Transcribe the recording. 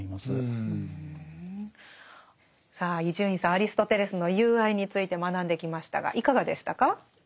アリストテレスの「友愛」について学んできましたがいかがでしたか？